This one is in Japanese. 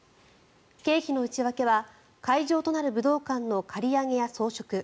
経費の内訳は会場となる武道館の借り上げや装飾